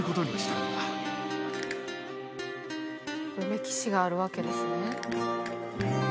歴史があるわけですね。